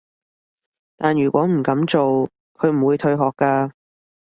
但如果唔噉做，佢唔會退學㗎